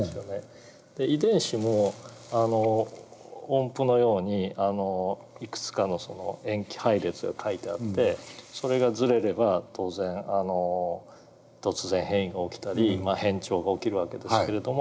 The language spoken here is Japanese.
遺伝子も音符のようにいくつかの塩基配列が書いてあってそれがズレれば当然突然変異が起きたり変調が起きる訳ですけれども。